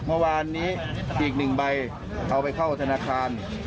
เมื่อวานนี้อีกหนึ่งใบเอาไปเข้าธนาคาร